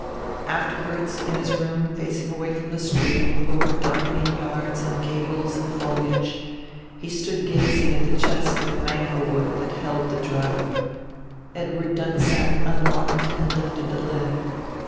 Afterwards, in his room facing away from the street over darkening yards and gables and foliage, he stood gazing at the chest of mango wood that held the drug. Edward Dunsack unlocked and lifted the lid.